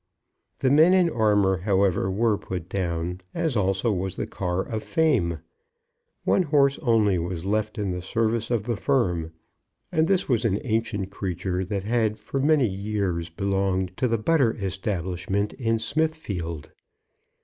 The men in armour, however, were put down, as also was the car of Fame. One horse only was left in the service of the firm, and this was an ancient creature that had for many years belonged to the butter establishment in Smithfield.